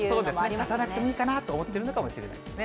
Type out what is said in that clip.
ささなくていいかなと思っているのかもしれないですね。